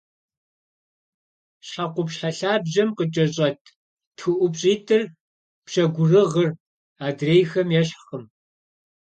Щхьэ къупщхьэ лъабжьэм къыкӏэщӏэт тхыӏупщӏитӏыр – пщэгурыгъыр – адрейхэм ещхькъым.